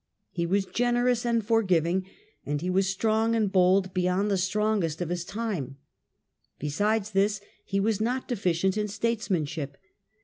He was generous and forgiving, and he was strong and bold beyond the strongest of his time. Besides this he was not deficient in statesmanship.